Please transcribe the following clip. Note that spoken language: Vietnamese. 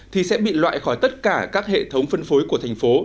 thì sẽ bị loại khỏi tất cả các hệ thống phân phối của thành phố